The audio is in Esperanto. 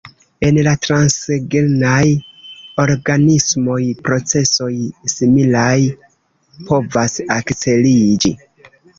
En la transgenaj organismoj procesoj similaj povas akceliĝi.